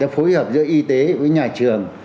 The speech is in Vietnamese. phối hợp giữa y tế với nhà trường